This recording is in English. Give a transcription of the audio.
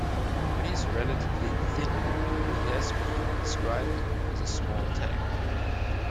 When he is relatively thinner, he has been described as "a small tank".